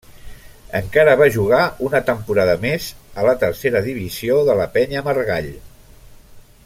Encara va jugar una temporada més, a la tercera divisió de la Penya Margall.